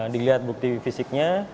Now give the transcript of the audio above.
dilihat bukti fisiknya